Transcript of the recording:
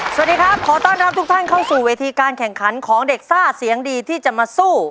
สวัสดีครับขอต้อนรับทุกท่านเข้าสู่เวทีการแข่งขันของเด็กซ่าเสียงดีที่จะมาสู้